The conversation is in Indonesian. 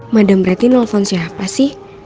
madam berarti nelfon siapa sih